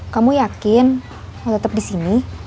kamu yakin mau tetep disini